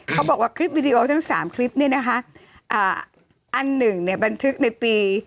เขาบอกว่าคลิปวิดีโอทั้ง๓คลิปนี้นะคะอันหนึ่งบันทึกในปี